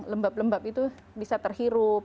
lembab lembab itu bisa terhirup